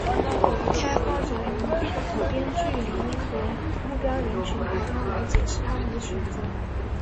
开发者以编剧原因和目标人群考量来解释他们的选择。